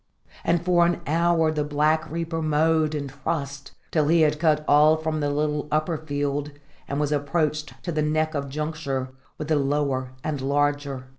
And for an hour the Black Reaper mowed and trussed, till he had cut all from the little upper field and was approached to the neck of juncture with the lower and larger.